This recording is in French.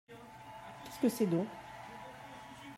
Qu’est-ce que c’est donc ?